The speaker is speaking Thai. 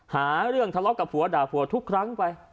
หาเรื่องทะเลาะกับผัวด่าผัวทุกครั้งไป